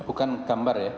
bukan gambar ya